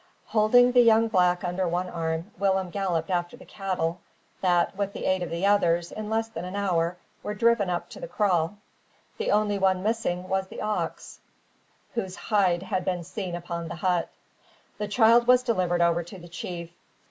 Holding the young black under one arm, Willem galloped after the cattle, that, with the aid of the others, in less than an hour, were driven up to the kraal. The only one missing was the ox whose hide had been seen upon the hut. The child was delivered over to the chief.